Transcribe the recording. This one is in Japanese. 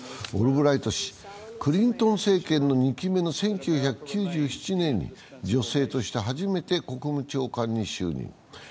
オルブライト氏はクリントン政権２期目の１９９７年に女性として初めて国務長官に就任。